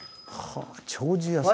丁子屋さん。